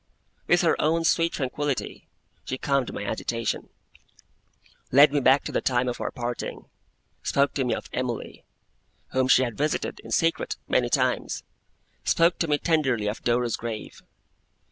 With her own sweet tranquillity, she calmed my agitation; led me back to the time of our parting; spoke to me of Emily, whom she had visited, in secret, many times; spoke to me tenderly of Dora's grave.